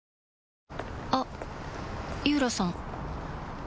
あっ井浦さん